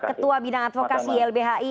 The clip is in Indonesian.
ketua bidang advokasi ylbhi